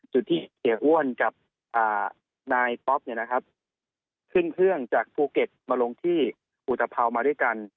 จุดที่เสียอ้วนกับนายป๊อปขึ้นเครื่องจากภูเก็ตมาลงที่อุตภาวมาด้วยกัน